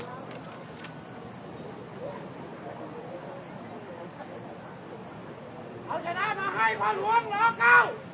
เอาเจ้าได้มาให้พ่อห่วงหรอกว